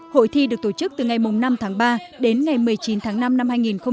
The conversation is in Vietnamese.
hội thi được tổ chức từ ngày năm tháng ba đến ngày một mươi chín tháng năm năm hai nghìn hai mươi